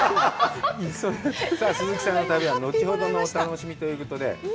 さあ鈴木さんの旅は後ほどのお楽しみということで。